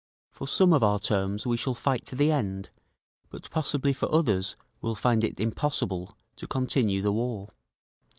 For some of our terms we shall fight to the end—but possibly for others will find it impossible to continue the war….